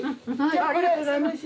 ありがとうございます。